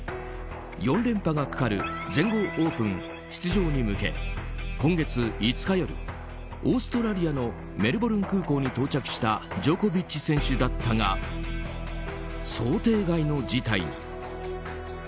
４連覇がかかる全豪オープン出場に向け今月５日夜、オーストラリアのメルボルン空港に到着したジョコビッチ選手だったが想定外の事態に。